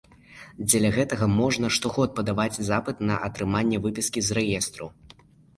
Дзеля гэтага можна штогод падаваць запыт на атрыманне выпіскі з рэестру.